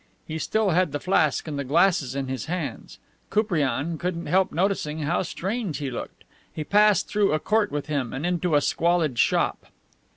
He still had the flask and the glasses in his hands. Koupriane couldn't help noticing how strange he looked. He passed through a court with him, and into a squalid shop.